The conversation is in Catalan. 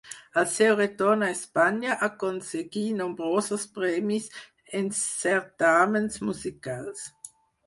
Al seu retorn a Espanya aconseguí nombrosos premis en certàmens musicals.